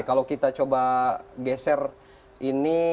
kalau kita coba geser ini